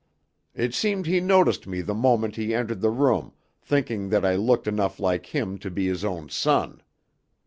"It seemed he noticed me the moment he entered the room, thinking that I looked enough like him to be his own son.